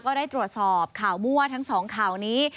ก็ได้ตรวจสอบข่าวมั่วทั้งสองข่าวนี้